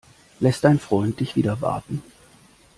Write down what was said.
Lässt dein Freund dich wieder warten?